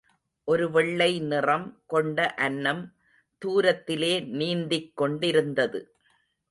ஒரு வெள்ளை நிறம் கொண்ட அன்னம் தூரத்திலே நீந்திக் கொண்டிருந்தது.